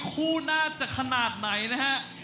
คู่หน้าจะขนาดไหนนะฮะ